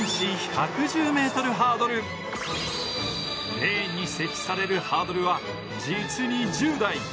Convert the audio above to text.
レーンに設置されるハードルは実に１０台。